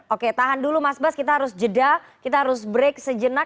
oke tahan dulu mas bas kita harus jeda kita harus break sejenak